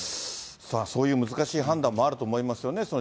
さあ、そういう難しい判断もあると思いますよね。